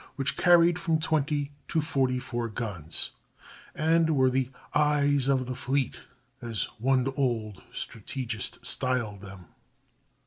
which carried from twenty to forty four guns, and were the "eyes of the fleet," as one old strategist styled them.